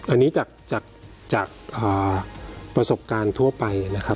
อันนี้จากจากจากอ่าประสบการณ์ทั่วไปนะครับ